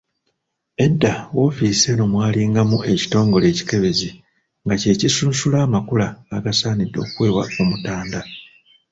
Edda woofiisi eno mwalingamu ekitongole ekikebezi nga kye kisunsula amakula agasaanidde okuweebwa Omutanda.